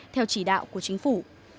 theo chỉ đạo của chính phủ